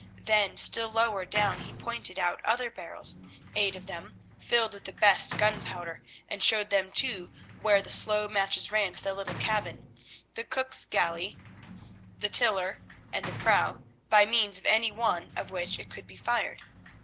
Then still lower down he pointed out other barrels, eight of them, filled with the best gunpowder, and showed them too where the slow matches ran to the little cabin, the cook's galley, the tiller and the prow, by means of any one of which it could be fired.